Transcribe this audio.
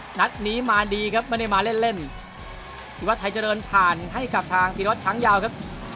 ชัดนี้มาดีครับไม่ได้มาเล่นที่วัดไทยเจริญผ่านให้กลับทางตีรถชั้นยาวครับ